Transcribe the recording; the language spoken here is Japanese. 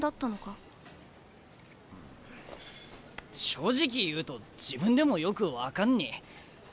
正直言うと自分でもよく分かんねえ。